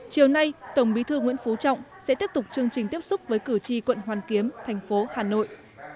chiều nay tổng bí thư nguyễn phú trọng sẽ tiếp tục chương trình tiếp xúc với cử tri quận hoàn kiếm thành phố hà nội